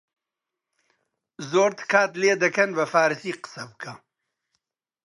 «زۆر تکات لێ دەکەن بە فارسی قسە بکە